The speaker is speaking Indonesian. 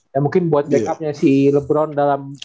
ya mungkin buat backupnya si lebron dalam